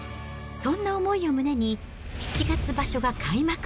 そんな思いを胸に、７月場所が開幕。